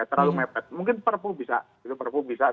terlalu mepet mungkin perpu bisa itu perpu bisa